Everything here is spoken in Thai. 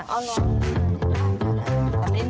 เอาลอง